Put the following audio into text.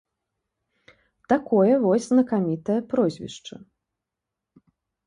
Такое вось знакамітае прозвішча.